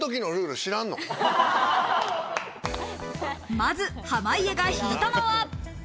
まず濱家が引いたのは。